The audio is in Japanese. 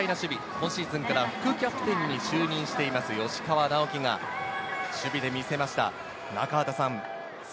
今シーズンから副キャプテンに就任しています吉川尚輝が守備で見せました。